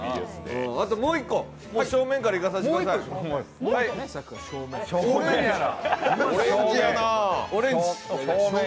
あともう１個、正面からいかさせてください、オレンジ。